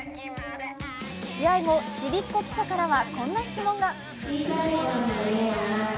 試合後、ちびっこ記者からはこんな質問が。